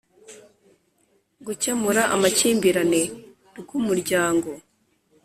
gukemura amakimbirine rw Umuryango